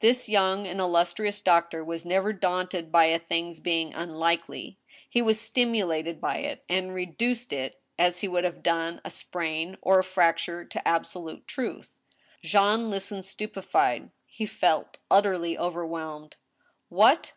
This young and illustrious doctor was never daunted by a thing's being unlike ly ; he was stimulated by it, and " reduced " it, as he would have done a sprain or a fracture, to absolute truth. Jean listened stupefied. He felt utterly overwhelmed. What